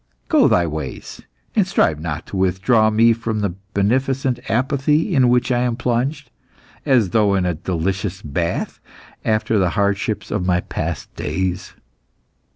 Go thy ways, and strive not to withdraw me from the beneficent apathy in which I am plunged, as though in a delicious bath, after the hardships of my past days."